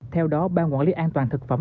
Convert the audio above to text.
theo đó ban quản lý an toàn thực phẩm